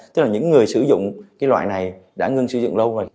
tức là những người sử dụng loại này đã ngưng sử dụng lâu rồi